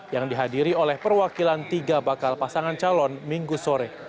yang dihadiri oleh perwakilan tiga bakal pasangan calon minggu sore